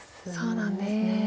そうなんですね。